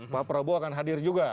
pak prabowo akan hadir juga